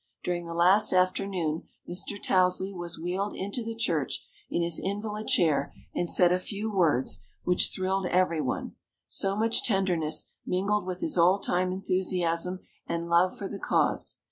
During the last afternoon Mr. Tousley was wheeled into the church, in his invalid chair, and said a few words, which thrilled every one. So much tenderness, mingled with his old time enthusiasm and love for the cause.